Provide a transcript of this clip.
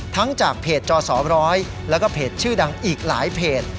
จากเพจจสร้อยแล้วก็เพจชื่อดังอีกหลายเพจ